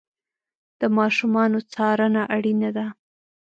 د ماشومانو څارنه اړینه ده.